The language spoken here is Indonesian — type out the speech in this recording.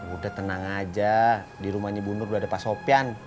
udah tenang aja di rumahnya bu nur udah ada pak sopian